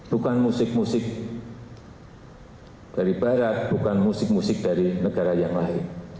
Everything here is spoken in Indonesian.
bukan musik musik dari barat bukan musik musik dari negara yang lain